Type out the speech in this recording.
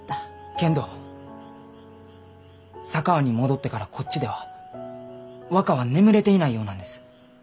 けんど佐川に戻ってからこっちでは若は眠れていないようなんです。